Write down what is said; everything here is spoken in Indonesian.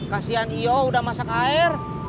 kasian iya udah masak air